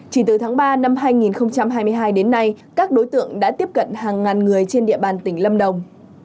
chỉ từ tháng ba năm hai nghìn hai mươi hai đến nay các đối tượng đã tiếp cận hàng ngàn người trên địa bàn tỉnh lâm đồng